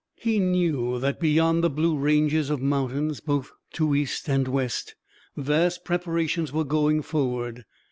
He knew that beyond the blue ranges of mountains, both to east and west, vast preparations were going forward.